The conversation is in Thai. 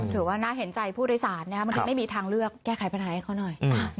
ถือว่าน่าเห็นใจผู้โดยสารนะครับบางทีไม่มีทางเลือกแก้ไขปัญหาให้เขาหน่อย